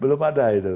belum ada itu